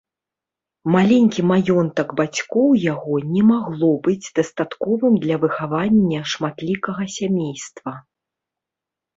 Маленькі маёнтак бацькоў яго не магло быць дастатковым для выхавання шматлікага сямейства.